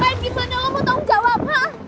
bapaknya lo mau tanggung jawab hah